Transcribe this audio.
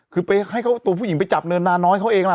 คือไปให้เขาตัวผู้หญิงไปจับเนินนาน้อยเขาเองล่ะ